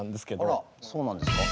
あらそうなんですか？